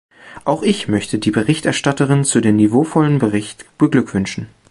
Auch ich möchte die Berichterstatterin zu dem niveauvollen Bericht beglückwünschen.